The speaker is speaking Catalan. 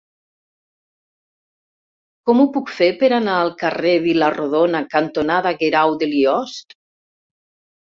Com ho puc fer per anar al carrer Vila-rodona cantonada Guerau de Liost?